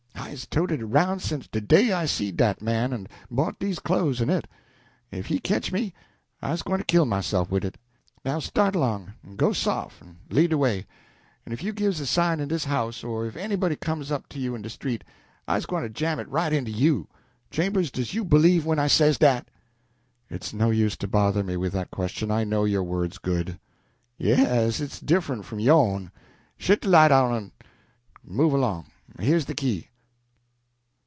I's toted it aroun' sence de day I seed dat man en bought dese clo'es en it. If he ketch me, I's gwine to kill myself wid it. Now start along, en go sof', en lead de way; en if you gives a sign in dis house, or if anybody comes up to you in de street, I's gwine to jam it right into you. Chambers, does you b'lieve me when I says dat?" "It's no use to bother me with that question. I know your word's good." "Yes, it's diff'rent from yo'n! Shet de light out en move along here's de key."